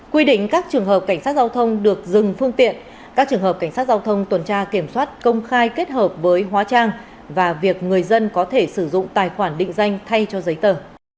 quy định các trường hợp cảnh sát giao thông được dừng phương tiện các trường hợp cảnh sát giao thông tuần tra kiểm soát công khai kết hợp với hóa trang và việc người dân có thể sử dụng tài khoản định danh thay cho giấy tờ